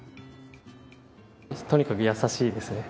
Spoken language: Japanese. とにかく優しいですね。